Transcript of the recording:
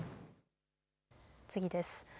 次です。